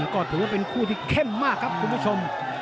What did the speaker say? ก็ถือว่าเป็นคู่ที่เข้มมากครับคุณผู้ชม